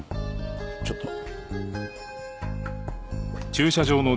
ちょっと。